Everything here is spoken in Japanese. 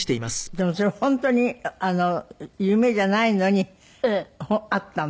でもそれ本当に夢じゃないのにあったの？